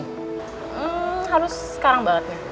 hmm harus sekarang banget